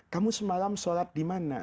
kamu semalam sholat dimana